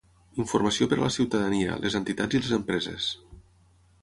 Informació per a la ciutadania, les entitats i les empreses.